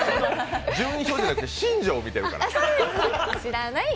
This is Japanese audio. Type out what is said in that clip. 順位表じゃなくて、新庄を見てるからね。